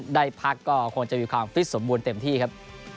ได้พักก็คงจะมีความฟิตสมบูรณ์เต็มที่ครับ